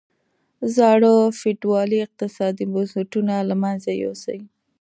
زاړه فیوډالي اقتصادي بنسټونه له منځه یوسي.